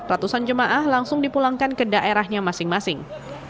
ratusan jemaah langsung dipulangkan ke daerahnya masing masing